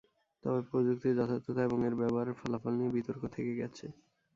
তবে প্রযুক্তির যথার্থতা এবং এর ব্যবহারের ফলাফল নিয়ে বিতর্ক থেকে গেছে।